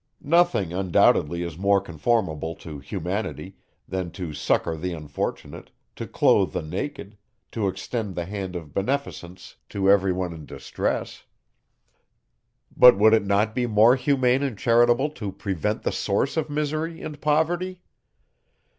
Nothing undoubtedly is more conformable to humanity, than to succour the unfortunate, to clothe the naked, to extend the hand of beneficence to every one in distress. But would it not be more humane and charitable to prevent the source of misery and poverty?